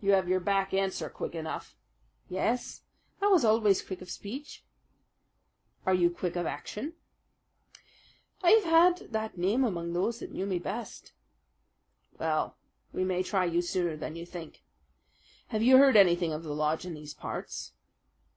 "You have your back answer quick enough." "Yes, I was always quick of speech." "Are you quick of action?" "I have had that name among those that knew me best." "Well, we may try you sooner than you think. Have you heard anything of the lodge in these parts?"